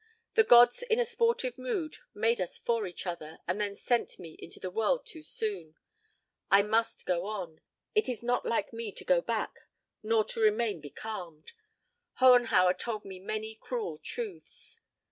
The gods in a sportive mood made us for each other and then sent me into the world too soon. ... I must go on. It is not in me to go back nor to remain becalmed. Hohenhauer told me many cruel truths.